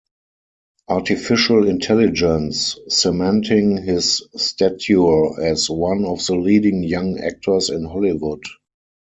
Artificial Intelligence, cementing his stature as one of the leading young actors in Hollywood.